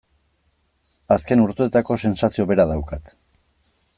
Azken urteotako sentsazio bera daukat.